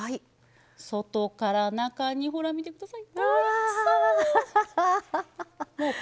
外から中に、ほら見てください。